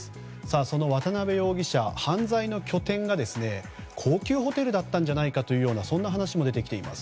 その渡邉容疑者犯罪の拠点が高級ホテルだったんじゃないかというようなそんな話も出てきています。